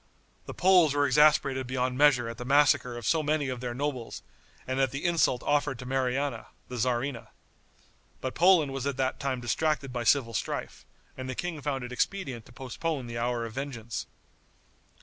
The Poles were exasperated beyond measure at the massacre of so many of their nobles and at the insult offered to Mariana, the tzarina. But Poland was at that time distracted by civil strife, and the king found it expedient to postpone the hour of vengeance.